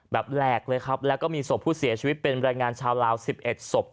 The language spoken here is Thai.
แหลกเลยครับแล้วก็มีศพผู้เสียชีวิตเป็นแรงงานชาวลาว๑๑ศพ